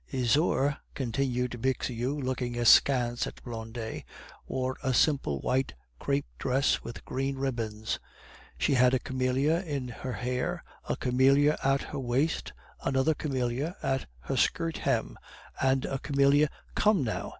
"Isaure," continued Bixiou, looking askance at Blondet, "wore a simple white crepe dress with green ribbons; she had a camellia in her hair, a camellia at her waist, another camellia at her skirt hem, and a camellia " "Come, now!